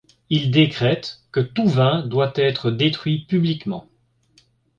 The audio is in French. Il décrète que tout vin doit être détruit publiquement.